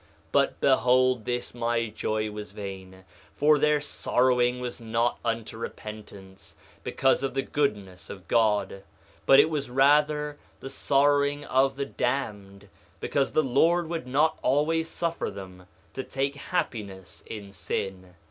2:13 But behold this my joy was vain, for their sorrowing was not unto repentance, because of the goodness of God; but it was rather the sorrowing of the damned, because the Lord would not always suffer them to take happiness in sin.